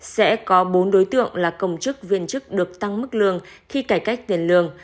sẽ có bốn đối tượng là công chức viên chức được tăng mức lương khi cải cách tiền lương